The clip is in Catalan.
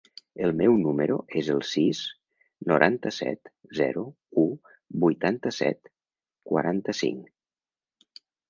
El meu número es el sis, noranta-set, zero, u, vuitanta-set, quaranta-cinc.